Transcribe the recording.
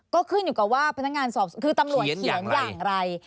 ก็ขึ้นอยู่กับว่าพนักงานสอบสวนคือตำรวจเขียนอย่างไร